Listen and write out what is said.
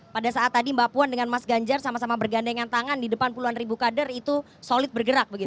pada saat tadi mbak puan dengan mas ganjar sama sama bergandengan tangan di depan puluhan ribu kader itu solid bergerak